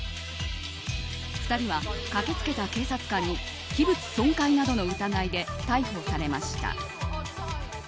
２人は駆けつけた警察官に器物損壊などの疑いで逮捕されました。